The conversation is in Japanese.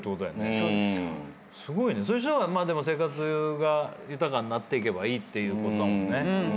そういう人が生活が豊かになっていけばいいっていうことだもんね。